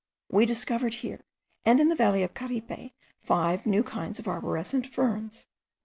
We discovered here, and in the valley of Caripe, five new kinds of arborescent ferns.